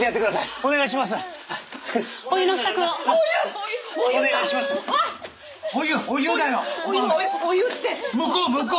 お湯お湯お湯って向こう向こう！